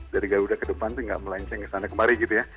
dari garuda ke depan itu nggak melenceng ke sana kemari gitu ya